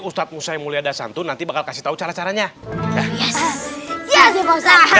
ustadz musa mulia dasantu nanti bakal kasih tahu cara caranya ya ya ya